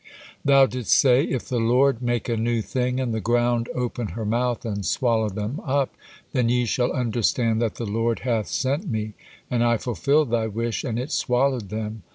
Thou didst say, 'If the Lord make a new thing, and the ground open her mouth, and swallow them up, then ye shall understand that the Lord hath sent me,' and I fulfilled thy wish, and it swallowed them.